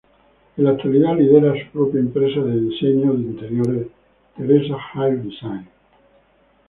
En la actualidad lidera su propia empresa de diseño de interiores, Teresa Hill Designs.